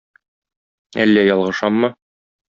Әллә ялгышаммы?